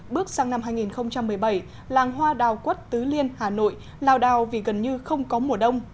bước sang năm hai nghìn một mươi bảy làng hoa đào quất tứ liên hà nội lao đào vì gần như không có mùa đông